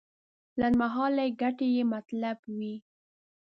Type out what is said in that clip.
لنډمهالې ګټې یې مطلب وي.